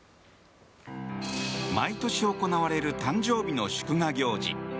毎年、行われる誕生日の祝賀行事。